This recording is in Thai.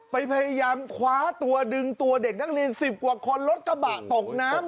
พยายามคว้าตัวดึงตัวเด็กนักเรียน๑๐กว่าคนรถกระบะตกน้ำ